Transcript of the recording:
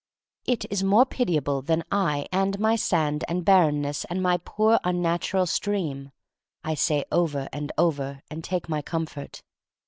"It is more pitiable than I and my sand and barrenness and my poor un natural stream," I say over and over, and take my comfort.